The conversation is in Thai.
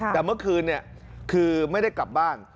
แต่เมื่อคืนคือไม่ได้กลับบ้าน